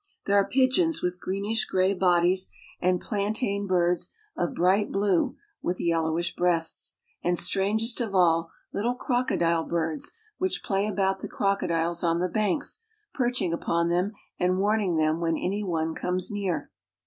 I There are pigeons with greenish gray bodies and plaintain I birds of bright blue with yellowish breasts ; and strangest I of all, little crocodile birds which play about the crocodiles loo the banks, perching aipon them and warn ing them when any one lomes near.